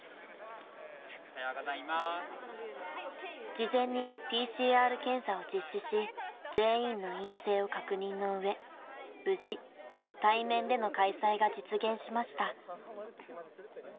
事前にＰＣＲ検査を実施し全員の陰性を確認の上無事対面での開催が実現しました。